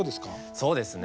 そうですね。